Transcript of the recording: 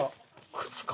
靴か？